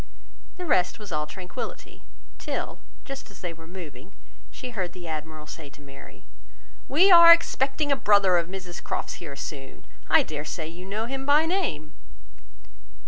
The rest was all tranquillity; till, just as they were moving, she heard the Admiral say to Mary— "We are expecting a brother of Mrs Croft's here soon; I dare say you know him by name."